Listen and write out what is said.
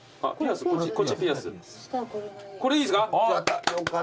これいいっすか？